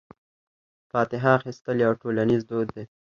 فاتحه اخیستل یو ټولنیز دود دی.